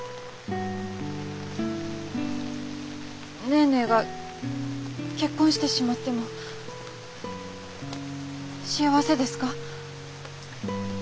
ネーネーが結婚してしまっても幸せですか？